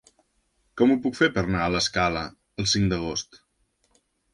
Com ho puc fer per anar a l'Escala el cinc d'agost?